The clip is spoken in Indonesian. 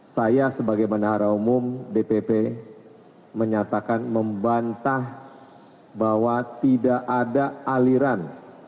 saya sebagai menara umum dpp menyatakan membantah bahwa tidak ada aliran